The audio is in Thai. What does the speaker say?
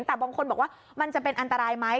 แต่บางคนบอกว่ามันจะเป็นอันตรายไหม